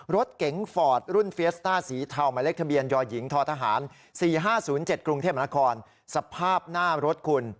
รถเก๋งฟอร์ดรุ่นเฟียสต้าสีเทาหมายเลขทะเบียนยหญิงททหาร๔๕๐๗กรุงเทพมนาคมสภาพหน้ารถคุณ